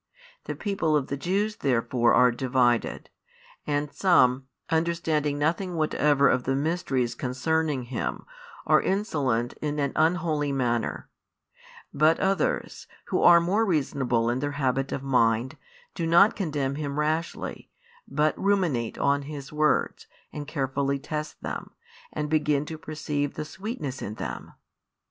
The people of the Jews therefore are divided: and some, understanding nothing whatever of the mysteries concerning Him, are insolent in an unholy manner; but others, who are more reasonable in their habit of mind, do not condemn Him rashly, but ruminate on His words, and carefully test them, and begin to perceive the sweetness in them.